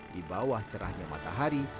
di bawah cerahnya matahari